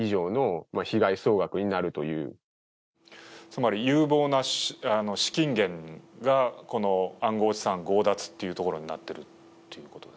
つまり有望な資金源がこの暗号資産強奪というところになっている？